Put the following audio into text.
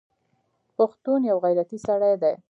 پښتون یوغیرتي سړی دی